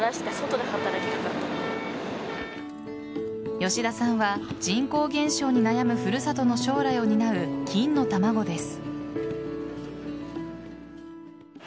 吉田さんは人口減少に悩む古里の将来を担う金の卵です。